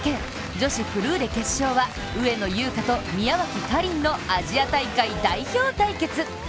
女子フルーレ決勝は上野優佳と宮脇花綸のアジア大会代表対決。